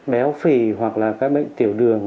béo phì hoặc là các bệnh tiểu đường